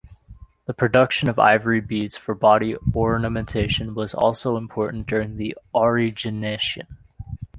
The production of ivory beads for body ornamentation was also important during the Aurignacian.